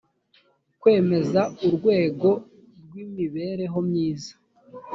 kwemeza urwego rw imibereho myiza